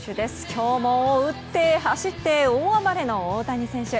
今日も打って走って大暴れの大谷選手。